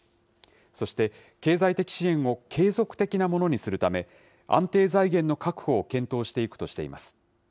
そして、経済的支援を継続的なものにするため、安定財源の確保を検討していくとしています。